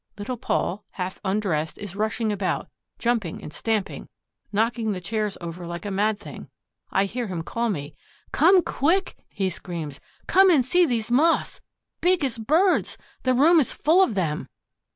Little Paul, half undressed, is rushing about, jumping and stamping, knocking the chairs over like a mad thing. I hear him call me: "Come, quick!" he screams. "Come and see these Moths, big as birds! The room is full of them!"